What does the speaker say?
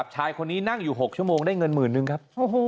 ชายคนนี้นั่งอยู่๖ชั่วโมงได้เงินหมื่นนึงครับ